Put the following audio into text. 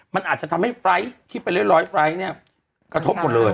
มันอาจจะทำให้ไฟล์ทคิดไปร้อยไฟล์ทเนี่ยกระทบหมดเลย